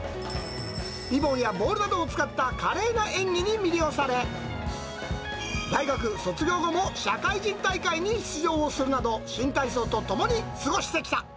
リボンやボールなどを使った華麗な演技に魅了され、大学卒業後も社会人大会に出場をするなど、新体操と共に過ごしてきた。